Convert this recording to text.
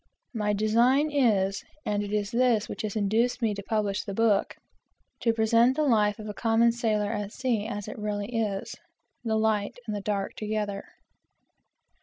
My design is, and it is this which has induced me to publish the book, to present the life of a common sailor at sea as it really is, the light and the dark together.